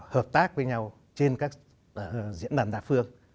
hợp tác với nhau trên các diễn đàn đa phương